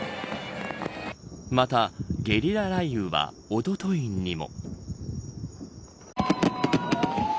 またゲリラ雷雨はおとといにも。